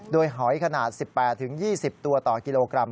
โดยหอยขนาด๑๘๒๐ตัวต่อกิโลกรัม